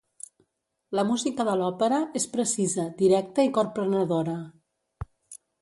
La música de l'òpera és precisa, directa i corprenedora.